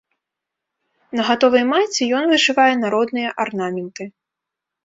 На гатовай майцы ён вышывае народныя арнаменты.